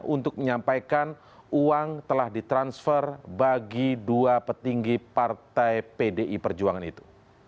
untuk menyampaikan uang telah ditransfer bagi dua petinggi partai pdi perjuangan itu